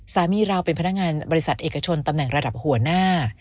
สามีเราเป็นพนักงานบริษัทเอกชนตำแหน่งระดับหัวหน้า